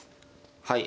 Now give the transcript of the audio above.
はい。